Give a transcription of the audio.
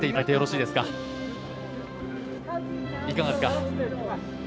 いかがですか？